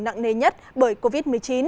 nặng nề nhất bởi covid một mươi chín